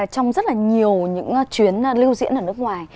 trong rất là nhiều những chuyến lưu diễn ở nước ngoài